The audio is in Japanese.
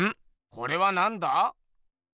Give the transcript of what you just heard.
これはなんだ？